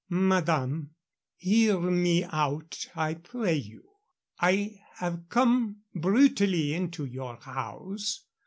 "Madame, hear me out, I pray you. I have come brutally into your house.